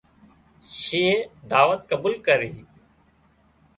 شينهنئي دعوت قبول ڪرِي